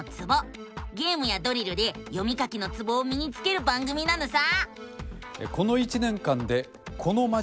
ゲームやドリルで読み書きのツボをみにつける番組なのさ！